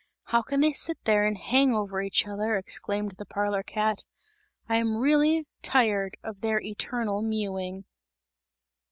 "How can they sit there and hang over each other," exclaimed the parlour cat, "I am really tired of their eternal mewing!"